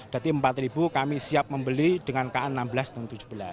berarti empat ribu kami siap membeli dengan ka enam belas dan tujuh belas